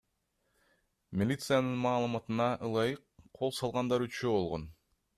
Милициянын маалыматына ылайык, кол салгандар үчөө болгон.